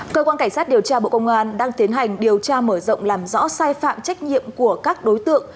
cơ quan cảnh sát điều tra bộ công an đang tiến hành điều tra mở rộng làm rõ sai phạm trách nhiệm của các đối tượng